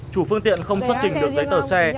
chủ phương tiện không xuất trình được giấy tờ xe